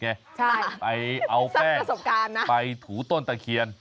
ใช่สร้างประสบการณ์นะไปเอาแป้งไปถูต้นตะเขียน